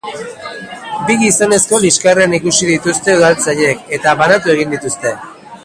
Bi gizonezko liskarrean ikusi dituzte udaltzainek eta banatu egin dituzte.